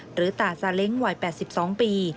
หรือตาซาเล้งวัย๘๒ปี